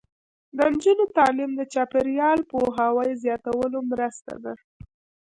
د نجونو تعلیم د چاپیریال پوهاوي زیاتولو مرسته ده.